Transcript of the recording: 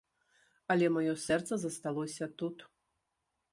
Але маё сэрца засталося тут.